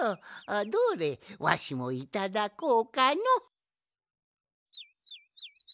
どれわしもいただこうかの。